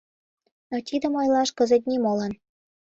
Но тидым ойлаш кызыт нимолан.